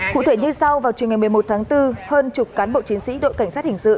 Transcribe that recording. cụ thể như sau vào trường ngày một mươi một tháng bốn hơn chục cán bộ chiến sĩ đội cảnh sát hình sự